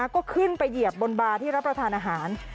ก็ขึ้นไปเหยียบบนบาร์ที่รับประทานอาหาร